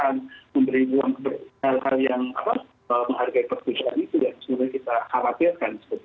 yang sebetulnya kita khawatirkan